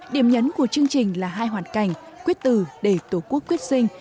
điểm nhấn của chương trình là hai hoàn cảnh quyết tử để tổ quốc quyết sinh